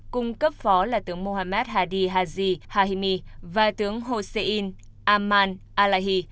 cùng cấp phó là tướng mohammed hadi haji hajimi và tướng hossein aman alahi